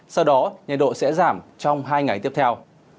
sau đó nhiệt độ sẽ giảm trong hai ngày tiếp theo